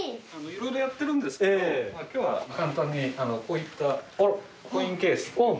色々やってるんですけど今日は簡単にこういったコインケースっていうものを。